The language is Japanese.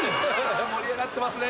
盛り上がってますね。